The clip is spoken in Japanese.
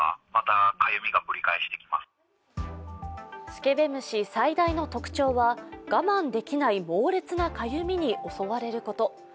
スケベ虫最大の特徴は我慢できない猛烈なかゆみに襲われること。